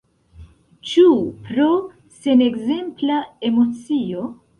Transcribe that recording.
Ĉu pro senekzempla emocio?